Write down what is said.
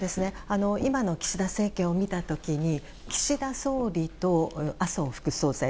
今の岸田政権を見た時に岸田総理と麻生副総裁